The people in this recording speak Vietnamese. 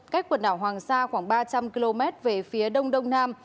cách quần đảo hoàng sa khoảng ba trăm linh km về phía đông đông nam